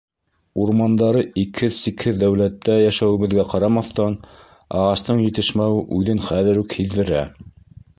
Урмандары икһеҙ-сикһеҙ дәүләттә йәшәүебеҙгә ҡарамаҫтан, ағастың етешмәүе үҙен хәҙер үк һиҙҙерә.